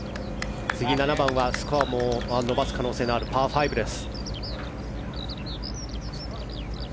次、７番はスコアも伸ばす可能性のあるパー５です。